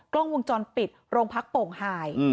กล้องวงจรปิดโรงพักโป่งหาย